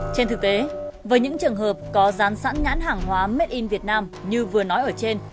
trên thực tế với những trường hợp có gián sẵn nhãn hàng hóa made in việt nam như vừa nói ở trên